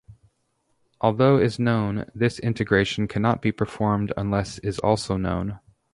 Although is known, this integration cannot be performed unless is also known.